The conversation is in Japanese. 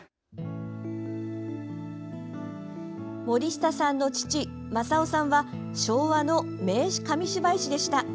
森下さんの父・正雄さんは昭和の名紙芝居師でした。